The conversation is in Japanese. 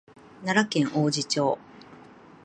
奈良県王寺町